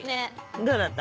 どうだった？